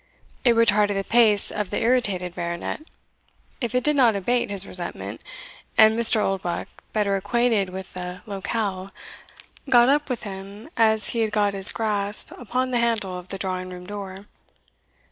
It retarded the pace of the irritated Baronet, if it did not abate his resentment, and Mr. Oldbuck, better acquainted with the locale, got up with him as he had got his grasp upon the handle of the drawing room door.